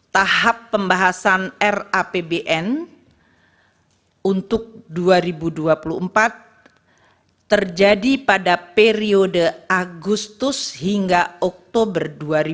tahap pembahasan rapbn untuk dua ribu dua puluh empat terjadi pada periode agustus hingga oktober dua ribu dua puluh